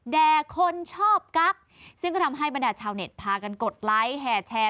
แด่คนชอบกั๊กซึ่งก็ทำให้บรรดาชาวเน็ตพากันกดไลค์แห่แชร์